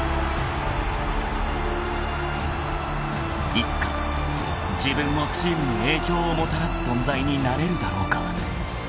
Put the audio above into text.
［いつか自分もチームに影響をもたらす存在になれるだろうか］